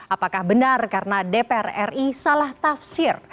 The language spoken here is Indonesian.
apakah benar karena dpr ri salah tafsir